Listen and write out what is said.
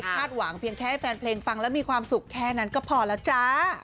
หวังเพียงแค่ให้แฟนเพลงฟังแล้วมีความสุขแค่นั้นก็พอแล้วจ้า